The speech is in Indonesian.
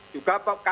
juga pak pak